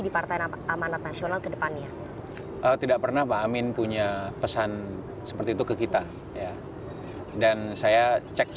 di partai amanat nasional kedepannya tidak pernah pak amin punya pesan seperti itu ke kita ya dan saya cek